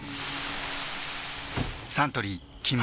サントリー「金麦」